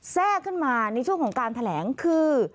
แทรกขึ้นมาในช่วงของการแถลงคือ